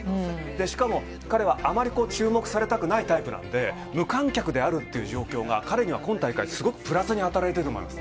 しかも彼はあまり注目されたくないタイプなんで、無観客であるっていう状況が、彼には今大会、すごくプラスに働いていると思います。